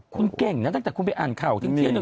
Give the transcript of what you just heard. คุณเก่งนะตั้งแต่คุณไปอ่านข่าวทิ้งเทียน